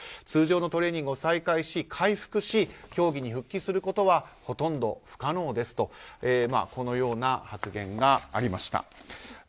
通常のトレーニングを再開し回復し競技に復帰することはほとんど不可能ですとこのような発言がありました。